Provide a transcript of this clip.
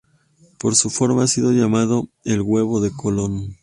Por su forma ha sido llamado "El huevo de Colón".